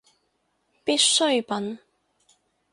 必需品